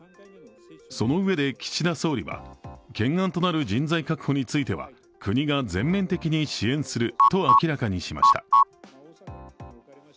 そのうえで岸田総理は、懸案となる人材確保については国が全面的に支援すると明らかにしました。